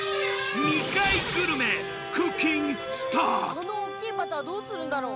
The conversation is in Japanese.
この大っきいバターどうするんだろう？